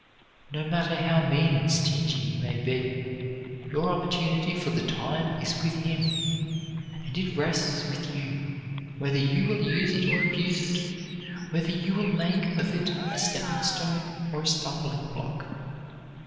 No matter how mean and stingy he may be, your opportunity for the time is with him, and it rests with you whether you will use it or abuse it, whether you will make of it a stepping stone or a stumbling block.